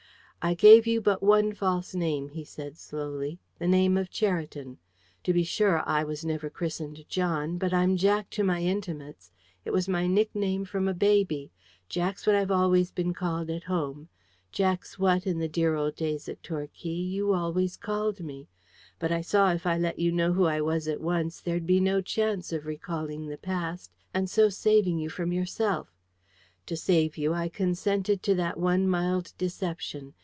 "I gave you but one false name," he said slowly "the name of Cheriton. To be sure I, was never christened John, but I'm Jack to my intimates. It was my nickname from a baby. Jack's what I've always been called at home Jack's what, in the dear old days at Torquay, you always called me. But I saw if I let you know who I was at once, there'd be no chance of recalling the past, and so saving you from yourself. To save you, I consented to that one mild deception.